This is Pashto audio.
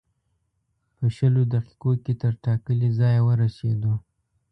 په شلو دقیقو کې تر ټاکلي ځایه ورسېدو.